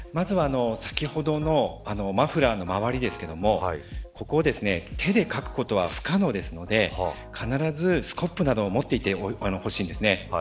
まずは先ほどのマフラーの周りですがここを手でかくことは不可能ですので必ずスコップなどを持っておいてほしいです。